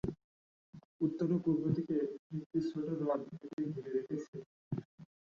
উত্তরে ও পূর্বদিকে একটি ছোট হ্রদ একে ঘিরে রেখেছে।